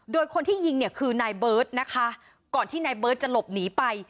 โดยคนที่ยิงเนี่ยคือนายเบิร์ตนะคะก่อนที่นายเบิร์ตจะหลบหนีไป